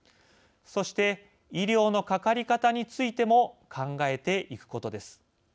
そして医療のかかり方についても考えていくことです。